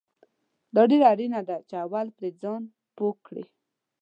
دا ډیره اړینه ده چې اول پرې ځان پوه کړې